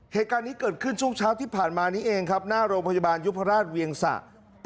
เหตุการณ์นี้เกิดขึ้นช่วงเช้าที่ผ่านมานี้เองครับหน้าโรงพยาบาลยุพราชเวียงสะ